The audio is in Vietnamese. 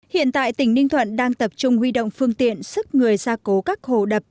hiện tại tỉnh ninh thuận đang tập trung huy động phương tiện sức người ra cố các hồ đập